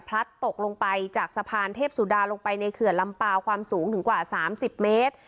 พลัดตกลงไปจากสะพานเทพสุดารงไปในเขื่อนลำปากความสูงถึงกว่าสามสิบเมตร